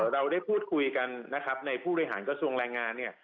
เราได้พูดคุยกันในผู้รวายหาลยกระทรวงแรงงาน